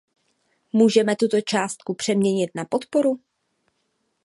Můžeme tuto částku přeměnit na podporu?